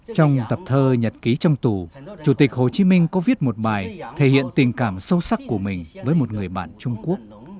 trong tập thơ nhật ký trong tù chủ tịch hồ chí minh có viết một bài thể hiện tình cảm sâu sắc của mình với một người bạn trung quốc